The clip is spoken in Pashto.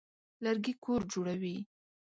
لرګي کور جوړوي.